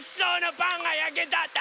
パンがやけたんだ！